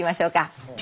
はい。